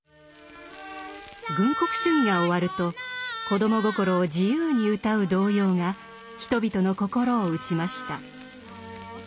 軍国主義が終わると子ども心を自由に歌う童謡が人々の心を打ちました。